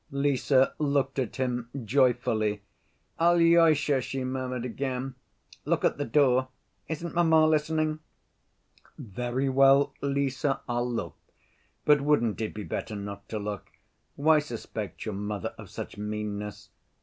Lise looked at him joyfully. "Alyosha," she murmured again, "look at the door. Isn't mamma listening?" "Very well, Lise, I'll look; but wouldn't it be better not to look? Why suspect your mother of such meanness?"